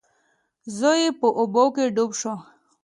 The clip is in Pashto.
زوی یې په اوبو کې ډوب شو.